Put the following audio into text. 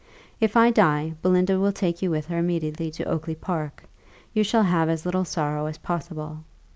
If I die, Belinda will take you with her immediately to Oakly park you shall have as little sorrow as possible.